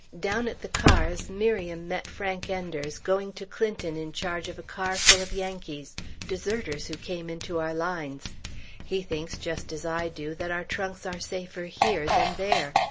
Down at the cars Miriam met Frank Enders, going to Clinton in charge of a car full of Yankees, deserters, who came into our lines. He thinks, just as I do, that our trunks are safer here than there.